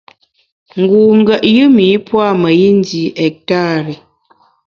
Ngu ngùet yùm ’i pua’ meyi ndi ektari.